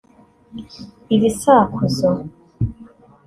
ibisakuzo